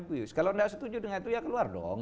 push kalau tidak setuju dengan itu ya keluar dong